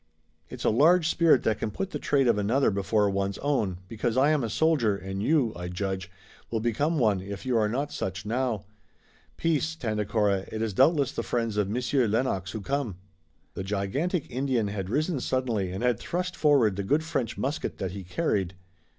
"It's a large spirit that can put the trade of another before one's own, because I am a soldier, and you, I judge, will become one if you are not such now. Peace, Tandakora, it is doubtless the friends of Monsieur Lennox who come!" The gigantic Indian had risen suddenly and had thrust forward the good French musket that he carried.